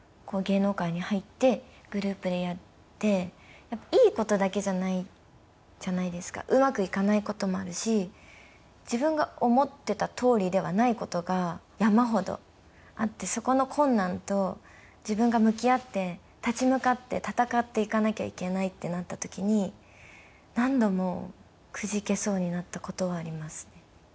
芸能界に入ってグループでやっていいことだけじゃないじゃないですかうまくいかないこともあるし自分が思ってたとおりではないことが山ほどあってそこの困難と自分が向き合って立ち向かって闘っていかなきゃいけないってなった時に何度もくじけそうになったことはありますね